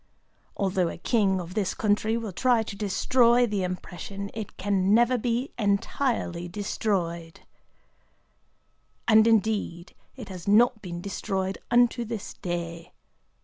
Although a king of this country will try to destroy the impression, it can never be entirely destroyed.' And indeed it has not been destroyed unto this day.